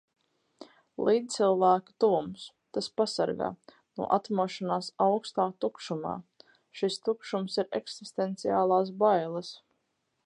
Līdzcilvēku tuvums. Tas pasargā. No atmošanās aukstā tukšumā. Šis tukšums ir eksistenciālās bailes...